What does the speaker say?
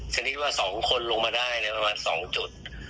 ชนิดว่า๒คนลงมาได้ประมาณ๒จุด